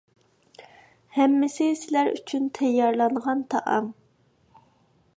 ھەممىسى سىلەر ئۈچۈن تەييارلانغان تائام.